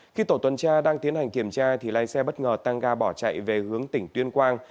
khi tổ tuần tra đang tiến hành kiểm tra thì lái xe bất ngờ tăng ga bỏ chạy về hướng tỉnh tuyên quang